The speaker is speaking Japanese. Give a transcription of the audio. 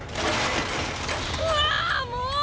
うわもう！